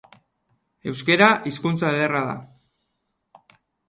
Euskera hizkuntza ederra da.